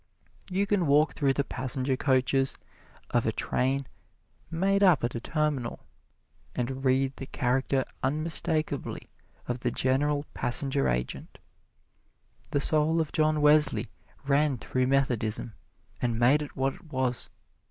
You can walk through the passenger coaches of a train made up at a terminal and read the character unmistakably of the general passenger agent. The soul of John Wesley ran through Methodism and made it what it was.